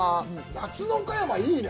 夏の岡山はいいね。